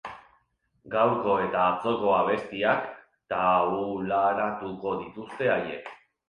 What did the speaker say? Gaurko eta atzoko abestiak taularatuko dituzte haiek.